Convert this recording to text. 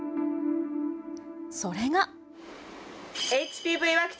それが。